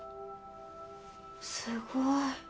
すごい。